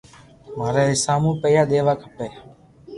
ماري حيساب مون پيئا ديوا کپي